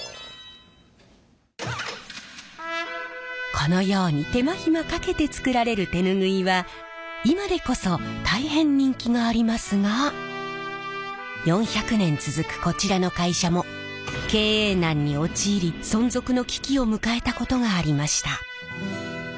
このように手間暇かけて作られる手ぬぐいは今でこそ大変人気がありますが４００年続くこちらの会社も経営難に陥り存続の危機を迎えたことがありました。